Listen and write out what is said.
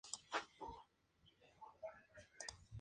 En la edición inaugural participaron doce selecciones.